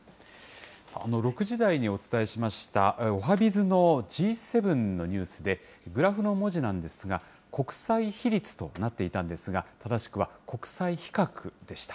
６時台にお伝えしました、おはＢｉｚのＧ７のニュースで、グラフの文字なんですが、国際比率となっていたんですが、正しくは、国際比較でした。